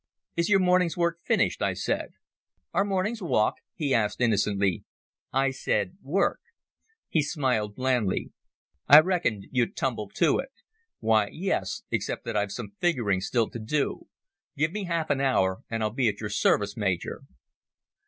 "Is your morning's work finished?" I said. "Our morning's walk?" he asked innocently. "I said 'work'." He smiled blandly. "I reckoned you'd tumble to it. Why, yes, except that I've some figuring still to do. Give me half an hour and I'll be at your service, Major."